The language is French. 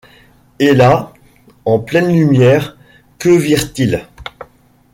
Et là, en pleine lumière, que virent-ils